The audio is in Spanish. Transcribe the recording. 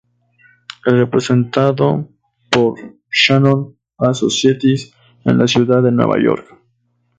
Es representado por Shannon Associates en la ciudad de Nueva York.